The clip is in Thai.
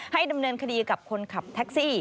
ดำเนินคดีกับคนขับแท็กซี่